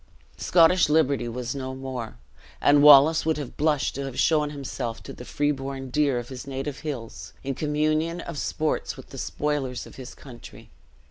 Scottish liberty was no more; and Wallace would have blushed to have shown himself to the free born deer of his native hills, in communion of sports with the spoilers of his country.